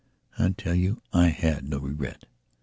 I tell you, I had no regret.